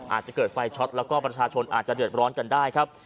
อาจจะเกิดไฟช็อตแล้วก็ประชาชนอาจจะเดือดร้อนกันได้ครับ